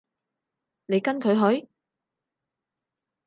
你跟佢去？